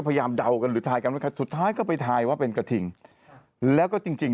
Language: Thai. เดากันหรือทายกันสุดท้ายก็ไปทายว่าเป็นกระทิงแล้วก็จริงจริง